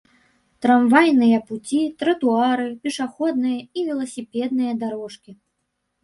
Трамвайныя пуці, тратуары, пешаходныя і веласіпедныя дарожкі